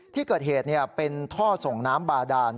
ที่เกิดเหตุเป็นท่อส่งน้ำบาดาน